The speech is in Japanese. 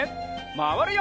まわるよ！